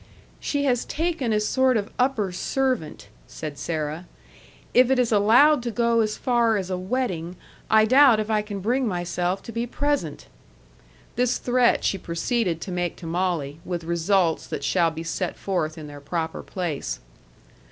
"She has taken a sort of upper servant," said Sarah. "If it is allowed to go as far as a wedding, I doubt if I can bring myself to be present." (This threat she proceeded to make to Molly, with results that shall be set forth in their proper place.)